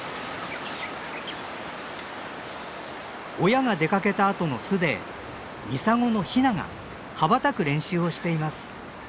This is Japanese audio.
親が出かけたあとの巣でミサゴのヒナが羽ばたく練習をしています。